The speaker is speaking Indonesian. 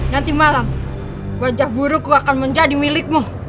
nanti malam wajah buruk akan menjadi milikmu